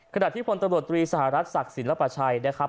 ขณะที่พลตำรวจตรีสหรัฐศักดิ์ศิลปชัยนะครับ